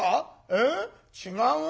えっ違う？